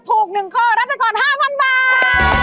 ถูกหนึ่งข้อได้เป็นก่อน๕๐๐๐บาท